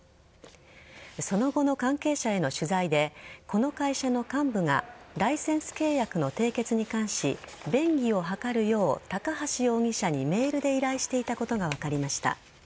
その後の関係者への取材でこの会社の幹部がライセンス契約の締結に関し便宜を図るよう高橋容疑者にメールで依頼していたことが分かりました。